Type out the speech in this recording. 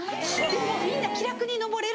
もうみんな気楽に登れる。